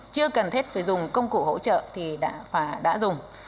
chưa cần thiết phải dùng công cụ hỗ trợ thì đã dùng